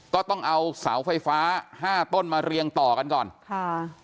ก็ต้องเอาเสาไฟฟ้าห้าต้นมาเรียงต่อกันก่อนค่ะ